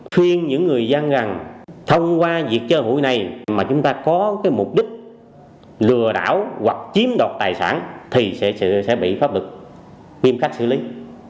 khuyên những người dân rằng thông qua việc chơi hụi này mà chúng ta có cái mục đích lừa đảo hoặc chiếm đọc tài sản thì sẽ bị pháp luật biêm khách xử lý